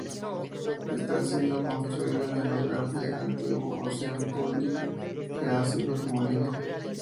Está siendo construido en el lugar del antiguo Ocean Building, que ha sido demolido.